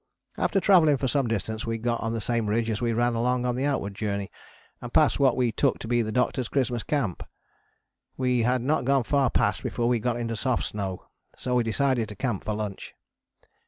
After travelling for some distance we got on the same ridge as we ran along on the outward Journey and passed what we took to be the Doctor's Xmas Camp. We had not gone far past before we got into soft snow, so we decided to camp for lunch.